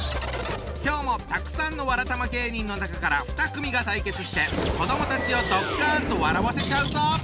今日もたくさんのわらたま芸人の中から２組が対決して子どもたちをドッカンと笑わせちゃうぞ！